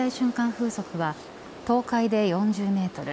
風速は東海で４０メートル